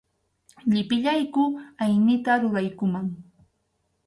Llipillayku aynita ruraykuman.